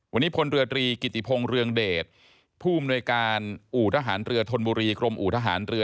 วันนี้พลเรือตรีกิติพงศ์เรืองเดชผู้อำนวยการอู่ทหารเรือธนบุรีกรมอู่ทหารเรือ